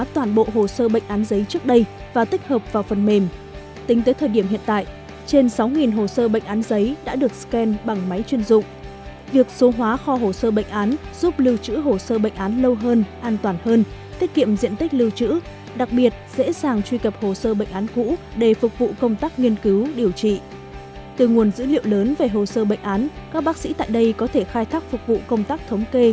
trong thời gian chờ bệnh án các bác sĩ tại đây có thể khai thác phục vụ công tác thống kê